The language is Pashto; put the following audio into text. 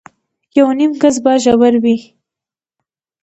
يونيم ګز به ژور و.